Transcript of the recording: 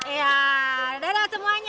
iya dadah semuanya